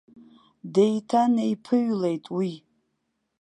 Деиҭанеиԥыҩлеит уи.